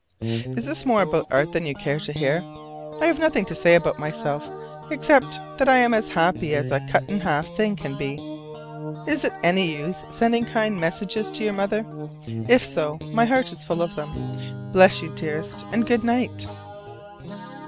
Is this more about art than you care to hear? I have nothing to say about myself, except that I am as happy as a cut in half thing can be. Is it any use sending kind messages to your mother? If so, my heart is full of them. Bless you, dearest, and good night.